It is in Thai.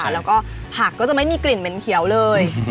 แล้วก็ผักก็จะไม่มีกลิ่นเหม็นเขียวเลย